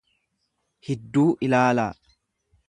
hidduu ilaalaa.